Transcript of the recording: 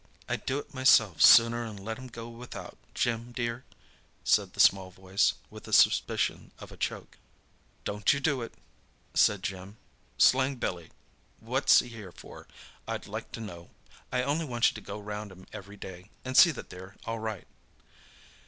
"I'd do it myself sooner'n let them go without, Jim, dear," said the small voice, with a suspicion of a choke. "Don't you do it," said Jim; "slang Billy. What's he here for, I'd like to know! I only want you to go round 'em every day, and see that they're all right."